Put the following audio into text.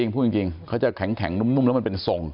พูดจริงเขาจะแข็งนุ่มแล้วมันเป็นทรง